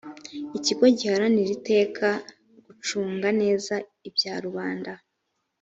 ikigo giharanira iteka gucunga neza ibya rubanda